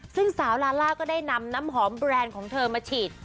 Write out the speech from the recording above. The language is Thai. ซึ่งสาวลาล่าก็ได้นำน้ำหอมแบรนด์ของเธอมาฉีด